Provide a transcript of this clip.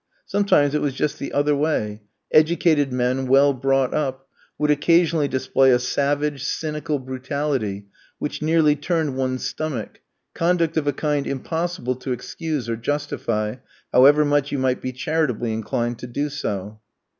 Sometimes it was just the other way: educated men, well brought up, would occasionally display a savage, cynical brutality which nearly turned one's stomach, conduct of a kind impossible to excuse or justify, however much you might be charitably inclined to do so.